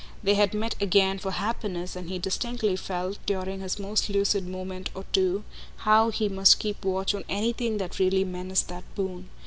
They had met again for happiness, and he distinctly felt, during his most lucid moment or two, how he must keep watch on anything that really menaced that boon.